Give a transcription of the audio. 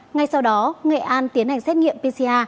ngay sau đó nghệ an tiến hành xét nghiệm pcr